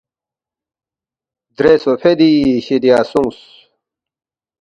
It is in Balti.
درے سوفیدی شِدیا سونگس